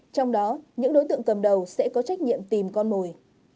trong đó những đối tượng cầm đầu sẽ có trách nhiệm tìm con mồi